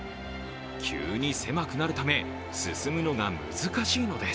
急に狭くなるため、進むのが難しいのです。